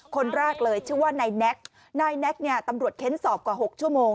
คนแรกเลยชื่อว่านายแน็กนายแน็กเนี่ยตำรวจเค้นสอบกว่า๖ชั่วโมง